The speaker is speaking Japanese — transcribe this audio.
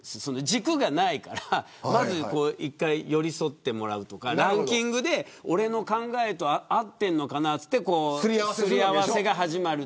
軸がないからまず１回寄り添ってもらうとかランキングで俺の考えと合っているのかなとかあって擦り合わせが始まる。